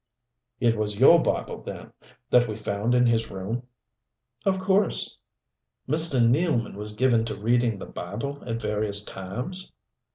"It was your Bible, then, that we found in his room?" "Of course." "Mr. Nealman was given to reading the Bible at various times?"